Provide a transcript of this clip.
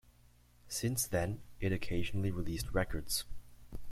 Since then, it occasionally released records.